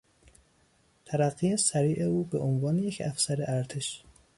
ترقی سریع او به عنوان یک افسر ارتش